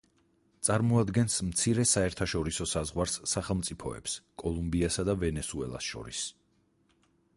წარმოადგენს მცირე საერთაშორისო საზღვარს სახელმწიფოებს კოლუმბიასა და ვენესუელას შორის.